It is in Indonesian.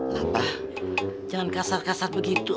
labah jangan kasar kasar begitu